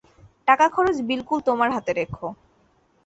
টাকাখরচ বিলকুল তোমার হাতে রেখো।